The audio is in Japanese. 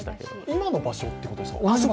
今の場所ってことですか？